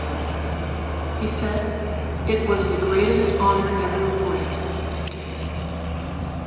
He said "it was the greatest honor ever awarded" to him.